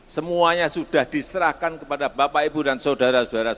semuanya sudah diserahkan kepada bapak ibu dan saudara saudara